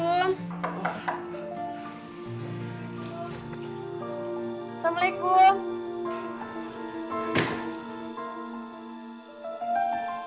udah laras masuk ya